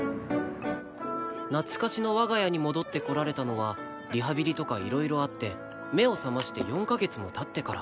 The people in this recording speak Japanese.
懐かしの我が家に戻ってこられたのはリハビリとかいろいろあって目を覚まして４カ月も経ってから